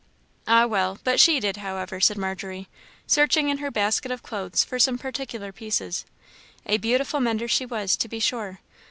"Ah, well, but she did, however," said Margery, searching in her basket of clothes for some particular pieces. "A beautiful mender she was, to be sure!